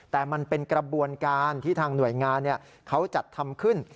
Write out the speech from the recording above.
แต่มันเป็นกระบวนการที่ทางหน่วยงานเขาจัดทำขึ้น